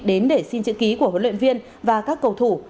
đến để xin chữ ký của huấn luyện viên và các cầu thủ